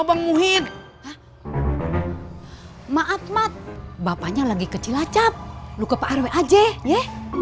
sama bang muhyidd ma'atmat bapaknya lagi kecil acap lu ke pak rw aja ya